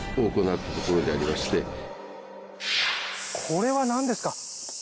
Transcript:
これは何ですか？